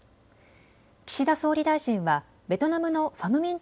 岸田総理大臣はベトナムのファム・ミン・